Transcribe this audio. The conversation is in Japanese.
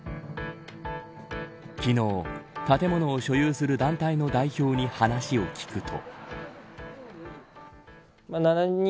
昨日建物を所有する団体の代表に話を聞くと。